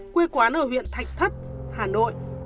quê quán ở huyện thạch thất hà nội